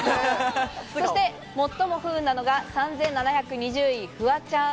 そして最も不運なのが３７２０位、フワちゃん。